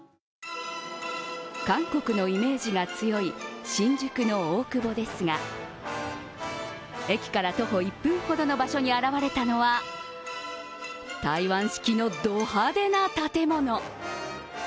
韓国のイメージが強い新宿の大久保ですが、駅から徒歩１分ほどの場所に現れたのは台湾式のド派手な建物。